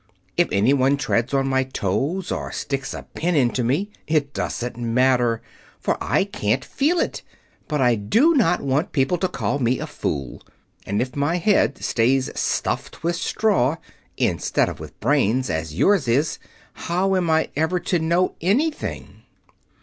If anyone treads on my toes or sticks a pin into me, it doesn't matter, for I can't feel it. But I do not want people to call me a fool, and if my head stays stuffed with straw instead of with brains, as yours is, how am I ever to know anything?"